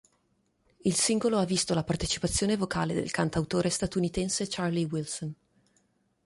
Il singolo ha visto la partecipazione vocale del cantautore statunitense Charlie Wilson.